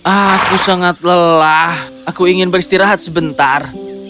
aku sangat lelah aku ingin beristirahat sebentar